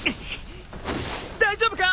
大丈夫か！？